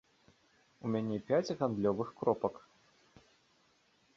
У мяне пяць гандлёвых кропак.